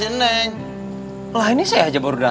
marin nggak mungkin masuk ke mobil